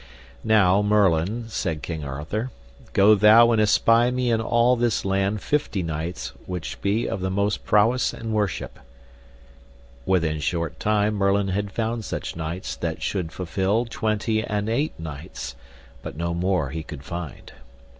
Now, Merlin, said King Arthur, go thou and espy me in all this land fifty knights which be of most prowess and worship. Within short time Merlin had found such knights that should fulfil twenty and eight knights, but no more he could find.